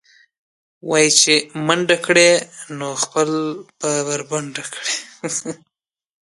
وایي چې منډه کړې، نو خپله کونه به بربنډه کړې.